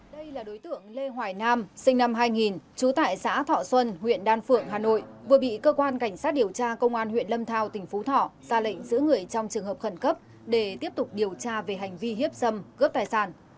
đây là đối tượng lê hoài nam sinh năm hai nghìn trú tại xã thọ xuân huyện đan phượng hà nội vừa bị cơ quan cảnh sát điều tra công an huyện lâm thao tỉnh phú thọ ra lệnh giữ người trong trường hợp khẩn cấp để tiếp tục điều tra về hành vi hiếp dâm cướp tài sản